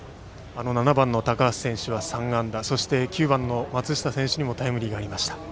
７番の高橋選手は３安打９番の松下選手にもタイムリーがありました。